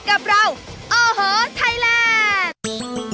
กับเราโอ้โหไทยแลนด์